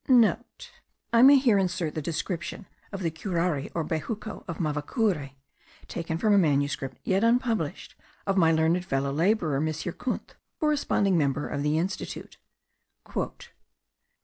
*(* I may here insert the description of the curare or bejuco de Mavacure, taken from a manuscript, yet unpublished, of my learned fellow labourer M. Kunth, corresponding member of the Institute.